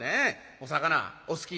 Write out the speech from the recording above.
お魚お好き。